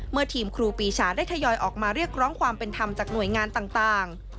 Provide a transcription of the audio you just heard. ทีมครูปีชาได้ทยอยออกมาเรียกร้องความเป็นธรรมจากหน่วยงานต่าง